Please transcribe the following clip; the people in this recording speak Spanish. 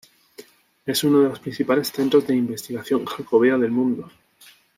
Es uno de los principales centros de investigación jacobea del mundo.